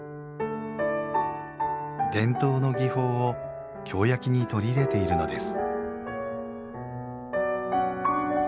伝統の技法を京焼に取り入れているのです